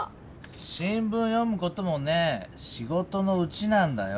新聞読むこともねぇしごとのうちなんだよ。